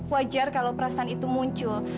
wajar kalau perasaan itu muncul